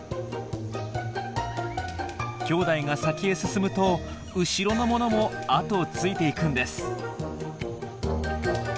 きょうだいが先へ進むと後ろのものも後をついていくんです。